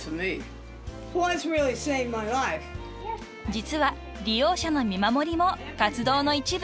［実は利用者の見守りも活動の一部］